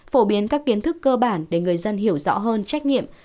phổ biến các kiến thức cơ bản để người dân hiểu rõ hơn trách nhiệm